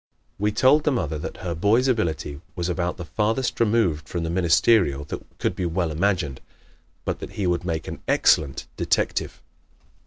We told the mother that her boy's ability was about the farthest removed from the ministerial that could well be imagined, but that he would make an excellent detective.